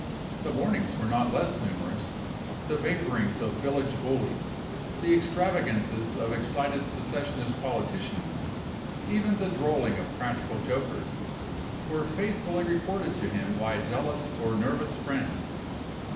The warnings were not less numerous; the vaporings of village bullies, the extravagances of excited secessionist politicians, even the drolling of practical jokers, were faithfully reported to him by zealous or nervous friends.